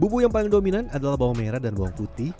bumbu yang paling dominan adalah bawang merah dan bawang putih